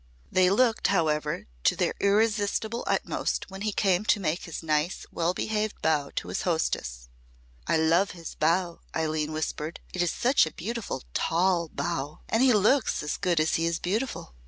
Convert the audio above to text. They looked, however, to their irresistible utmost when he came to make his nice, well behaved bow to his hostess. "I love his bow," Eileen whispered. "It is such a beautiful tall bow. And he looks as good as he is beautiful."